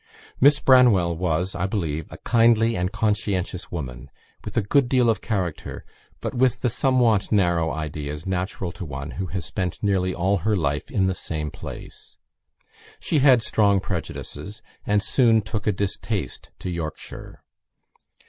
Miss Branwell was, I believe, a kindly and conscientious woman, with a good deal of character, but with the somewhat narrow ideas natural to one who had spent nearly all her life in the same place. She had strong prejudices, and soon took a distaste to Yorkshire.